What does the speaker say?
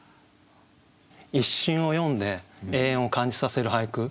一瞬を詠んで永遠を感じさせる俳句。